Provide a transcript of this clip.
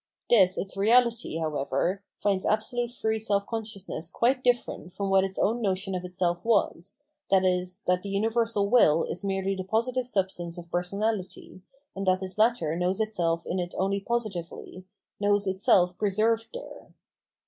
This its reality, however, finds absolute free self conscious ness quite different from what its own notion of itself was, viz. that the imiversal will is merely the positive substance of personality, and that this latter knows itself in it only positively, knows itself preserved there.